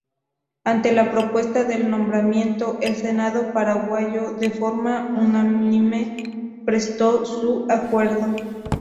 Ante la propuesta del nombramiento, el Senado paraguayo, de forma unánime, prestó su acuerdo.